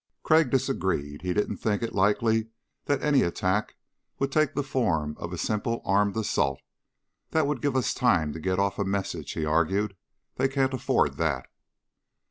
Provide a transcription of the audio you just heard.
Crag disagreed. He didn't think it likely that any attack would take the form of a simple armed assault. "That would give us time to get off a message," he argued. "They can't afford that."